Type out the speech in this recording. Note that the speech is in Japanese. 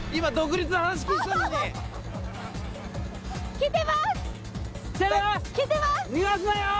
きてます！